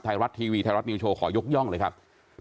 ไทยรัฐทีวีไทยรัฐนิวโชว์ขอยกย่องเลยครับ